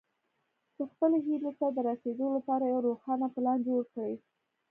چې خپلې هيلې ته د رسېدو لپاره يو روښانه پلان جوړ کړئ.